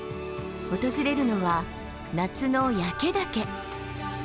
訪れるのは夏の焼岳。